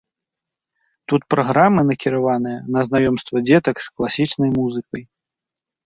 Тут праграмы накіраваныя на знаёмства дзетак з класічнай музыкай.